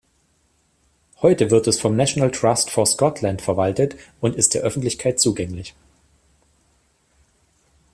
Heute wird es vom National Trust for Scotland verwaltet und ist der Öffentlichkeit zugänglich.